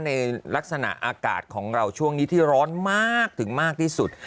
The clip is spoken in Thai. ในลักษณะอากาศของเราช่วงนี้ที่ร้อนมากถึงมากที่สุด